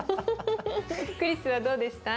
クリスはどうでした？